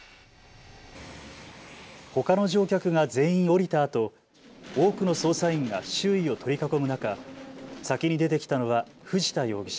ほかの乗客が全員、降りたあと多くの捜査員が周囲を取り囲む中、先に出てきたのは藤田容疑者。